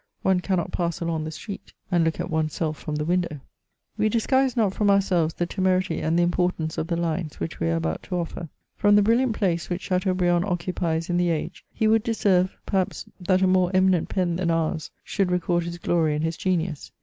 One cannot pass along the street and look at one's self from the window. We disguise not from ourselves the temerity and the importance of the lines which we are about to offer. From CHATEAUBRIAND. the brilliant place which Chateaabiiand occupies in the age, he would deserve perhaps that a more eminent pen than ours should record his glory and his genius.